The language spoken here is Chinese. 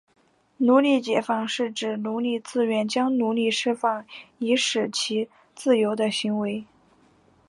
奴隶解放是指奴隶主自愿将奴隶释放以使其自由的行为。